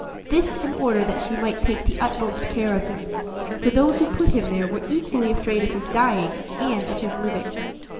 This in order that she might take the utmost care of him; for those who put him there were equally afraid of his dying and of his living.